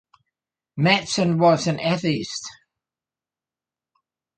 Matson was an atheist.